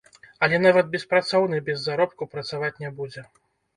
Але нават беспрацоўны без заробку працаваць не будзе.